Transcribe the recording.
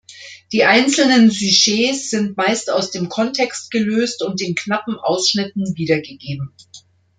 Die einzelnen Sujets sind meist aus dem Kontext gelöst und in knappen Ausschnitten wiedergegeben.